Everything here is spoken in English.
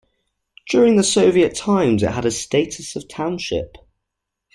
During the Soviet times it had a status of township.